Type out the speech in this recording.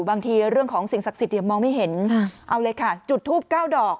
บางทีเรื่องของสิ่งศักดิ์สิทธิ์มองไม่เห็นเอาเลยค่ะจุดทูป๙ดอก